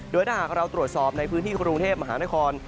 โดยถ้าหากเราตรวจสอบในพื้นที่กรุงเทพมหานคร